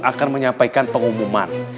akan menyampaikan pengumuman